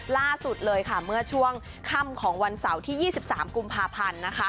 ล่าสุดเลยค่ะเมื่อช่วงค่ำของวันเสาร์ที่๒๓กุมภาพันธ์